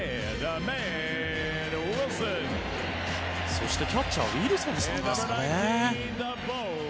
そしてキャッチャーはウィルソンさんですね。